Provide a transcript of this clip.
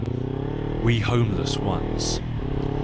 We Homeless Ones